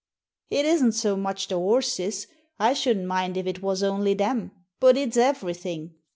"It isn't so much the horses, I shouldn't mind if it was only them, but it's everything.